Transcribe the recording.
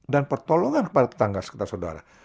dan pertolongan kepada tetangga sekitar saudara